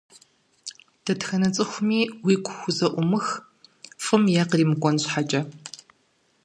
Дэтхэнэ цӀыхуми уигу хузэӀуумых, фӀым е къримыкӀуэн щхьэкӀэ.